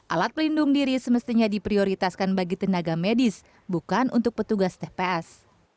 alat pelindung diri semestinya diprioritaskan bagi tenaga medis bukan untuk petugas tps